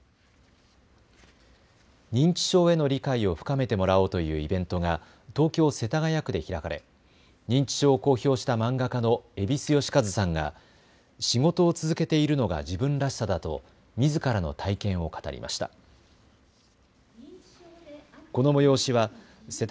認知症への理解を深めてもらおうというイベントが東京世田谷区で開かれ認知症を公表した漫画家の蛭子能収さんが仕事を続けているのが自分らしさだとみずからの体験を語りました。